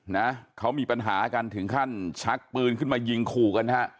นะเขามีปัญหากันถึงขั้นชักปืนขึ้นมายิงขู่กันฮะ